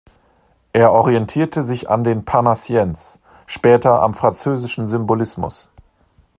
Er orientierte sich an den Parnassiens, später am französischen Symbolismus.